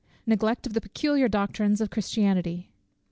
Neglect of the peculiar Doctrines of Christianity.